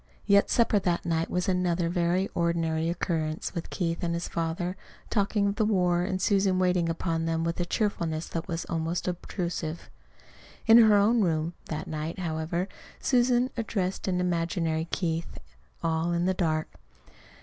Yet supper that night was another very ordinary occurrence, with Keith and his father talking of the war and Susan waiting upon them with a cheerfulness that was almost obtrusive. In her own room that night, however, Susan addressed an imaginary Keith, all in the dark.